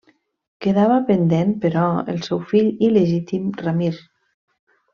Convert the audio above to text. Quedava pendent però el seu fill il·legítim Ramir.